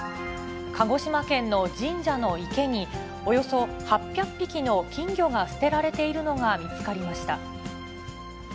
鹿児島県の神社の池に、およそ８００匹の金魚が捨てられているのが見つかりました。